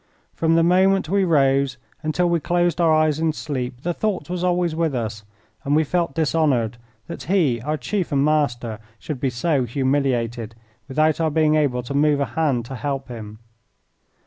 From the moment we rose until we closed our eyes in sleep the thought was always with us, and we felt dishonoured that he, our chief and master, should be so humiliated without our being able to move a hand to help him.